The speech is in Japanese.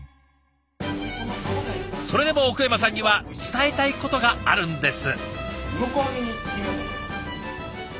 それでも奥山さんには伝えたいことがあるんです。